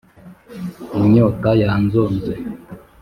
inyota yanzonze